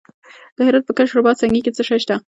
د هرات په کشک رباط سنګي کې څه شی شته؟